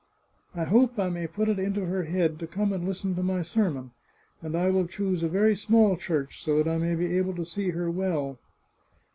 " I hope I may put it into her head to come and listen to my sermon, and I will choose a very small church, so that I may be able to see her well."